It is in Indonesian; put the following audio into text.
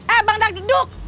eh bang dag diduk